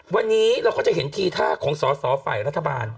วันนี้เราก็จะเห็นทีท่าของสอสอฝ่ายรัฐบาล